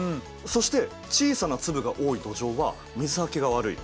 そして小さな粒が多い土壌は水はけが悪い。